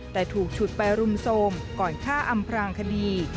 แต่ถูกฉุดไปรุมโทรมก่อนฆ่าอำพรางคดี